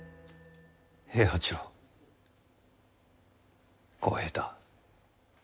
平八郎小平太。